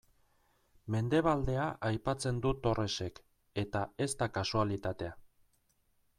Mendebaldea aipatzen du Torresek, eta ez da kasualitatea.